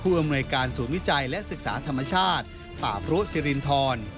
อำนวยการศูนย์วิจัยและศึกษาธรรมชาติป่าพรุสิรินทร